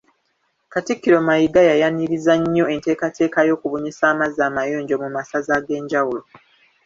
Katikkiro Mayiga yayanirizza nnyo enteekateeka y'okubunyisa amazzi amayonjo mu masaza ag'enjawulo.